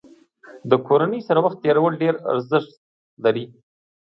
د کورنۍ سره وخت تېرول ډېر ارزښت لري.